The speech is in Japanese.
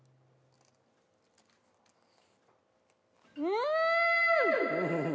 うん！